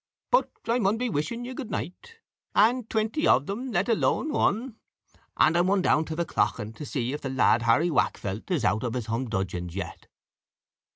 Put I maun pe wishing you goot night, and twenty of them let alane ane, and I maun down to the clachan to see if the lad Harry Waakfelt is out of his humdudgeons yet."